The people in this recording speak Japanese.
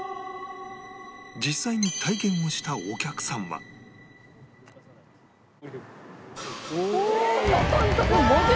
実際に体験をしたお客さんはおホントだ！